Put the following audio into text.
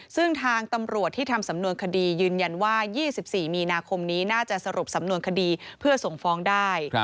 ซึ่งทางตำรวจที่ทำสำนวนคดียืนยันว่า๒๔มีนาคมนี้น่าจะสรุปสำนวนคดีเพื่อส่งฟ้องได้